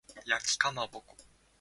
焼きかまぼこ